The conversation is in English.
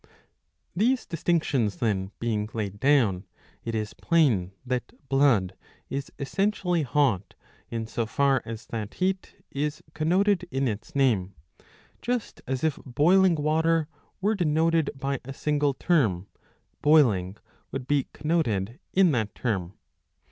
These distinctions, then, being laid down, it is plain that blood 649b. 28 ii. 3. is essentially hot in so far as that heat is connoted in its name ; just as if boiling water were denoted by a single term, boiling would be connoted in that term.